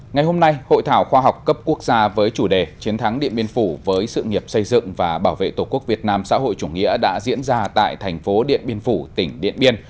ngày hôm nay hội thảo khoa học cấp quốc gia với chủ đề chiến thắng điện biên phủ với sự nghiệp xây dựng và bảo vệ tổ quốc việt nam xã hội chủ nghĩa đã diễn ra tại thành phố điện biên phủ tỉnh điện biên